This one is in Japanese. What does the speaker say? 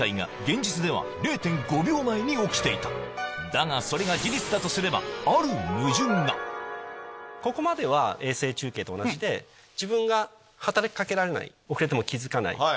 だがそれが事実だとすればある矛盾がここまでは衛星中継と同じで自分が働き掛けられない遅れても気付かない。